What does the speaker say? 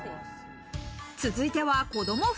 続いては子供服。